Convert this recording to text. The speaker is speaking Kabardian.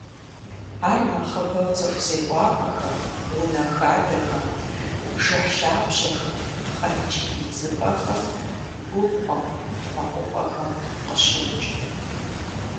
Ар нэхъыбэу цӏыху зекӏуапӏэхэм, унэ хадэхэм, бжыхь лъабжьэхэм, пхъэнкӏий идзыпӏэхэм, губгъуэм, мэкъупӏэхэм къыщокӏ.